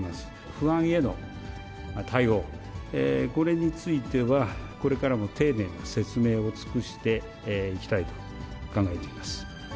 不安への対応、これについては、これからも丁寧な説明を尽くしていきたいと考えています。